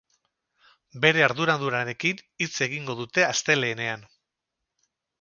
Bere arduradunekin hitz egingo dute astelehenean.